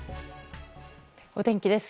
お天気です。